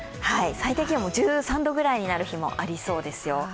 最低気温も１３度くらいになる日もありそうですよ。